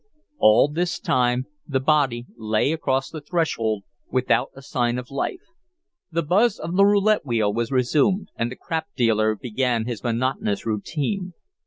All this time the body lay across the threshold without a sign of life. The buzz of the roulette wheel was resumed and the crap dealer began his monotonous routine.